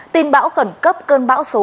tin bão khẩn cấp cơn bão số hai